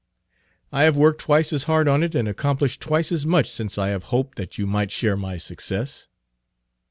"I have worked twice as hard on it and accomplished twice as much since I have hoped that you might share my success."